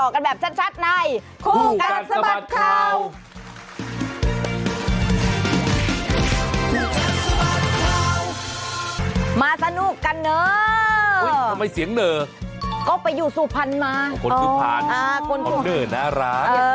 ก็ไปอยู่สุภัณธ์มา